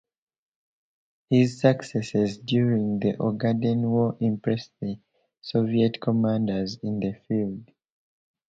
His successes during the Ogaden War impressed the Soviet commanders in the field.